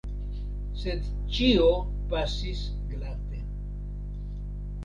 Sed ĉio pasis glate.